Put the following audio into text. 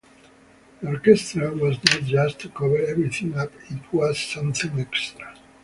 The orchestra was not just to cover everything up-it was something extra.